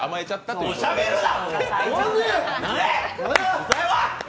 もうしゃべるな！